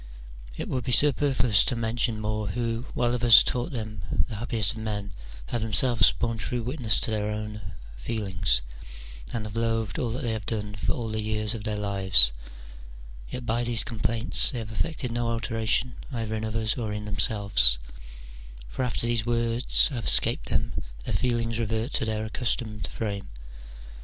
It would be super fluous to mention more who, while others thought them the happiest of men, have themselves borne true wit ness to their own feelings, and have loathed all that they have done for all the years of their lives : yet by these complaints they have effected no alteration either in others or in themselves : for after these words have escaped them their feelings revert to their accustomed frame.